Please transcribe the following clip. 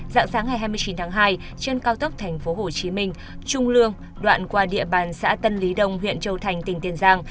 dạng sáng ngày hai mươi chín tháng hai trên cao tốc thành phố hồ chí minh trung lương đoạn qua địa bàn xã tân lý đông huyện châu thành tỉnh tiên giang